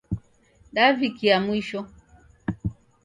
Dav'ikia mwisho